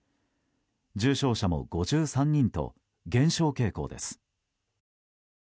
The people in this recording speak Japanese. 重症者も５３人と減少傾向です。